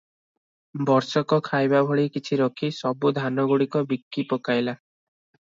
ବର୍ଷକ ଖାଇବା ଭଳି କିଛି ରଖି ସବୁ ଧାନଗୁଡିକ ବିକି ପକାଇଲା ।